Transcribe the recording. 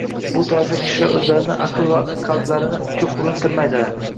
bu toifa kishilar o‘zlarini, aql va qalblarini ko‘p urintirmaydilar.